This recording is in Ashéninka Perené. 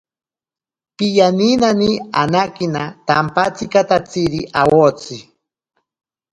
Piyaminani anakina tampatsikatatsiri awotsi.